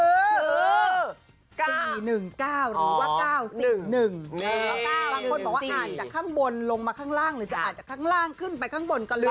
๔๑๙หรือว่า๙๑๐หลังจากข้างบนลงมาข้างล่างหรือจะอาจจะข้างล่างขึ้นไปข้างบนก็แล้ว